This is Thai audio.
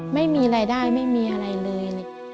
ไม่มีรายได้ไม่มีอะไรเลย